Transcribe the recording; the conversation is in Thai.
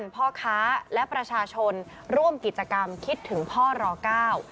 พ่อค้าและประชาชนร่วมกิจกรรมคิดถึงพ่อรอเก้า